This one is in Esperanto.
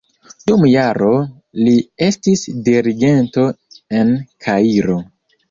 Dum jaro li estis dirigento en Kairo.